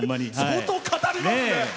相当、語りますね。